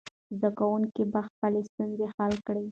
زده کوونکي به خپلې ستونزې حل کړي.